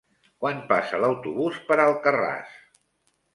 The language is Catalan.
Quan passa l'autobús per Alcarràs?